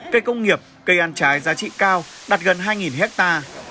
cây công nghiệp cây ăn trái giá trị cao đạt gần hai hectare